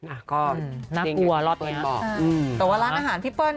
อ่ะก็น่ากลัวรอบเนี้ยอืมแต่ว่าร้านอาหารพี่เปิ้ล